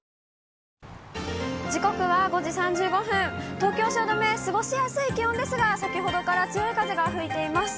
東京・汐留、過ごしやすい気温ですが、先ほどから強い風が吹いています。